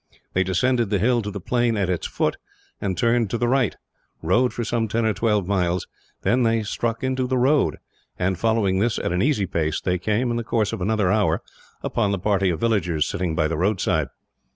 They descended the hill to the plain at its foot and, turning to the right, rode for some ten or twelve miles; when they struck into the road and, following this at an easy pace they came, in the course of another hour, upon the party of villagers sitting by the roadside.